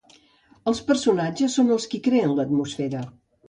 Els personatges són els qui creen l'atmosfera.